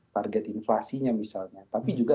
target inflasinya misalnya tapi juga